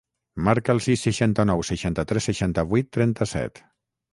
Marca el sis, seixanta-nou, seixanta-tres, seixanta-vuit, trenta-set.